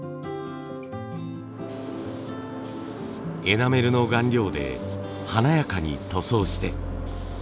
エナメルの顔料で華やかに塗装して。